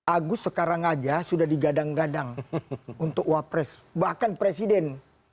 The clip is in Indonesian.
agus sekarang aja sudah digadang gadang untuk wapres bahkan presiden